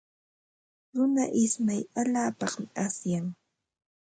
Runa ismay allaapaqmi asyan.